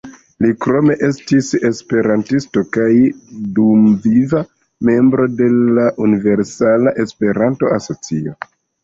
Li krome estis esperantisto, kaj dumviva membro de la Universala Esperanto-Asocio.